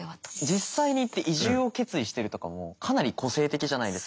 実際に移住を決意してるとかもかなり個性的じゃないですか。